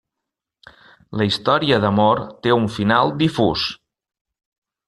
La història d'amor té un final difús.